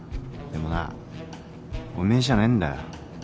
でもなおめえじゃねえんだよ。